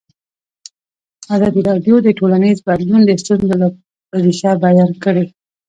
ازادي راډیو د ټولنیز بدلون د ستونزو رېښه بیان کړې.